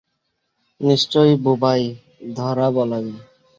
নিশ্চয়ই বোবায় ধরা বলা যায়।